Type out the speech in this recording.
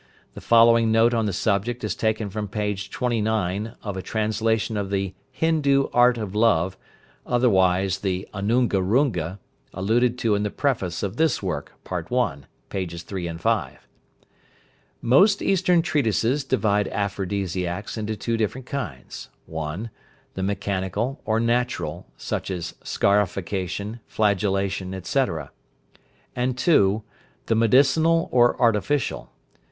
The following note on the subject is taken from page 29 of a translation of the Hindoo Art of Love, otherwise the Anunga Runga, alluded to in the preface of this work, Part I., pages 3 and 5: "Most Eastern treatises divide aphrodisiacs into two different kinds: 1., the mechanical or natural, such as scarification, flagellation, etc.; and 2., the medicinal or artificial.